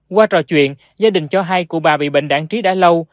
qua trò chuyện gia đình cho hay cụ bà bị bệnh đạn trí đã lâu